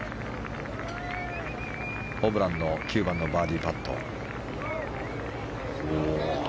ホブランの９番のバーディーパット。